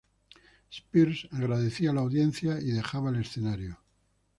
Spears agradecía a la audiencia y dejaba el escenario.